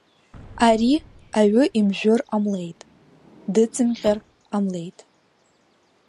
Ари аҩы имжәыр ҟамлеит, дыҵымҟьар ҟамлеит.